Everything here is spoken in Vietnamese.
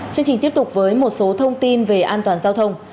chương trình tiếp tục với một số thông tin về an toàn giao thông